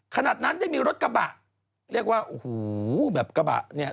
ขนาดนั้นได้มีรถกระบะเรียกว่าโอ้โหแบบกระบะเนี่ย